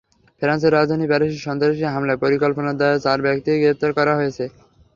ফ্রান্সের রাজধানী প্যারিসে সন্ত্রাসী হামলার পরিকল্পনার দায়ে চার ব্যক্তিকে গ্রেপ্তার করা হয়েছে।